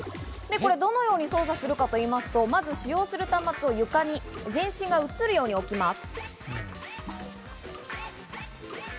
どのように操作するかと言いますと、まず使用する端末を床に全身が映るように置きます。